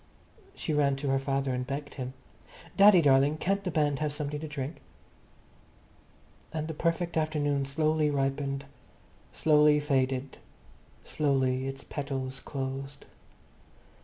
She ran to her father and begged him. "Daddy darling, can't the band have something to drink?" And the perfect afternoon slowly ripened, slowly faded, slowly its petals closed.